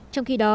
trong khi đó